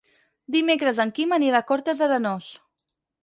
Dimecres en Quim anirà a Cortes d'Arenós.